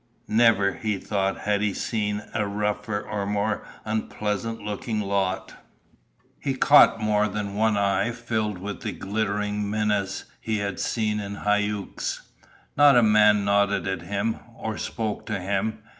Never, he thought, had he seen a rougher or more unpleasant looking lot. He caught more than one eye filled with the glittering menace he had seen in Hauck's. Not a man nodded at him, or spoke to him.